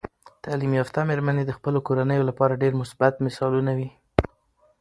تعلیم یافته میرمنې د خپلو کورنیو لپاره ډیر مثبت مثالونه وي.